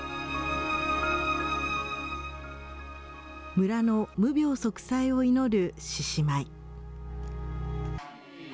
村の無病息災を祈る獅子舞。